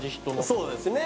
そうですね